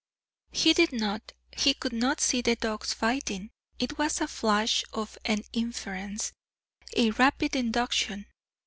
He did not, he could not see the dogs fighting; it was a flash of an inference, a rapid induction.